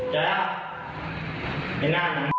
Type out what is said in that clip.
เลย